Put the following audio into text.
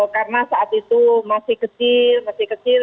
karena saat itu masih kecil masih kecil